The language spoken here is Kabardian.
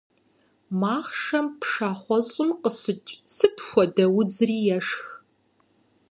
Махъшэм пшахъуэщӀым къыщыкӀ сыт хуэдэ удзри ешх.